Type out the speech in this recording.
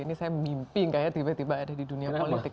ini saya mimpi kayaknya tiba tiba ada di dunia politik